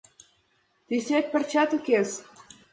Тӱсет пырчат укес...